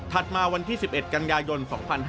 มาวันที่๑๑กันยายน๒๕๕๙